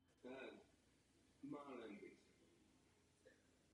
Oženil se a požádal o přijetí do oddílu astronautů.